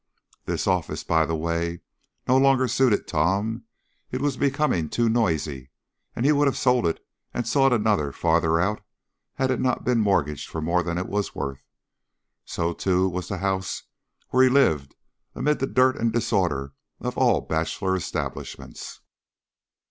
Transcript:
This office, by the way, no longer suited Tom; it was becoming too noisy and he would have sold it and sought another farther out had it not been mortgaged for more than it was worth. So, too, was the house where he lived amid the dirt and disorder of all bachelor establishments.